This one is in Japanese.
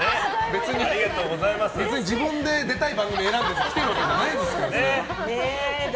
別に自分で出たい番組選んで来てるわけじゃないですから。